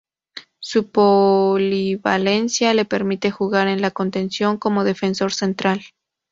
Su polivalencia le permite jugar en la contención o como defensor central.